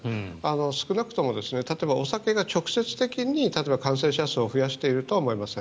少なくとも、例えばお酒が直接的に感染者数を増やしているとは思いません。